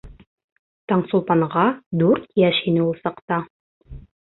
Таңсулпанға дүрт йәш ине ул саҡта.